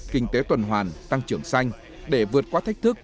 kinh tế tuần hoàn tăng trưởng xanh để vượt qua thách thức